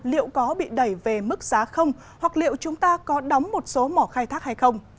liệu có bị đẩy về mức giá không hoặc liệu chúng ta có đóng một số mỏ khai thác hay không